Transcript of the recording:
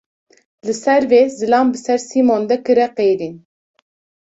Li ser vê, zilam bi ser Sîmon de kire qêrîn.